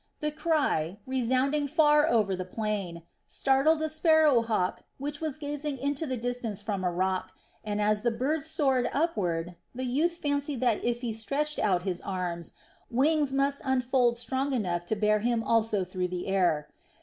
The cry, resounding far over the plain, startled a sparrow hawk which was gazing into the distance from a rock and, as the bird soared upward, the youth fancied that if he stretched out his arms, wings must unfold strong enough to bear him also through the air.